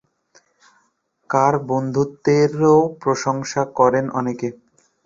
কার বন্ধুত্বেরও প্রশংসা করেন অনেকে?